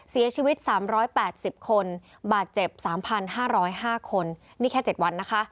เสียชีวิต๓๘๐คนบาดเจ็บ๓๕๐๕คนนี่แค่๗วันนะคะ